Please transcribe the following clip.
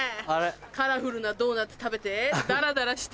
カラフルなドーナツ食べてダラダラして。